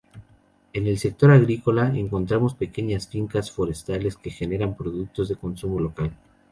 En el sector agrícola encontramos pequeñas fincas forestales que generan productos de consumo local.